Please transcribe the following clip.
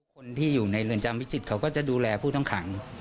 คนที่อยู่ในเรือนจำพิจิตรเขาก็จะดูแลผู้ต้องขัง